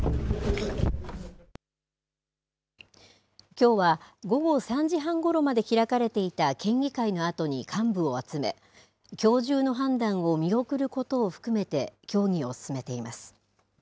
きょうは午後３時半ごろまで開かれていた県議会のあとに幹部を集め、きょう中の判断を見送ることを含めて協議を進めています。